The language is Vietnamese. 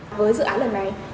với dự án lần này